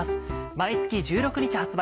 毎月１６日発売。